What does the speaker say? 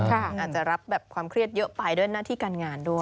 อาจจะรับแบบความเครียดเยอะไปด้วยหน้าที่การงานด้วย